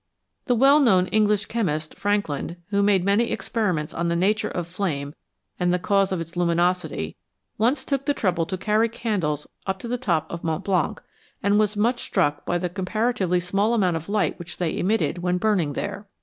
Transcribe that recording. The well known English chemist Frankland, who made many experiments on the nature of flame and the cause of 158 FLAME: WHAT IS IT? its luminosity, once took the trouble to carry candles up to the top of Mont Blanc, and was much struck by the comparatively small amount of light which they emitted when burning there.